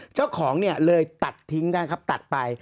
เจ้าของเนี่ยเลยตัดทิ้งกันครับตัดไป